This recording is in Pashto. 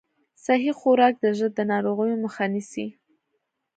صحي خوراک د زړه د ناروغیو مخه نیسي.